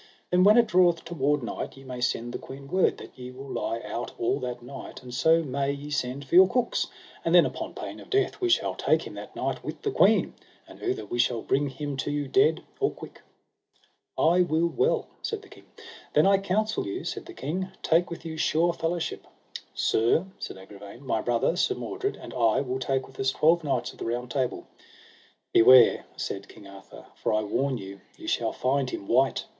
Then when it draweth toward night, ye may send the queen word that ye will lie out all that night, and so may ye send for your cooks, and then upon pain of death we shall take him that night with the queen, and outher we shall bring him to you dead or quick. I will well, said the king; then I counsel you, said the king, take with you sure fellowship. Sir, said Agravaine, my brother, Sir Mordred, and I, will take with us twelve knights of the Round Table. Beware, said King Arthur, for I warn you ye shall find him wight.